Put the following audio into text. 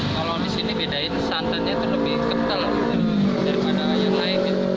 kalau di sini bedain santannya itu lebih ketel daripada yang lain